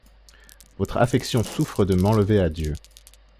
Votre affection souffre de m'enlever à Dieu.